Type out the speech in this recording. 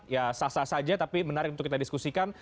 ya sah sah saja tapi menarik untuk kita diskusikan